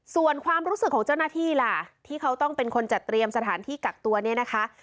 ส่วนความรู้สึกของเจ้าหน้าที่ล่ะที่เขาต้องเป็นคนจัดเตรียมสถานที่กักตัวเนี่ยนะคะ